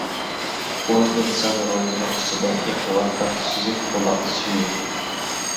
ئۇ ئىنسان روھىنىڭ ئىچىدە ئېقىۋاتقان سۈزۈك بۇلاق سۈيى.